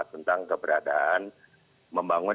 tentang keberadaan membangun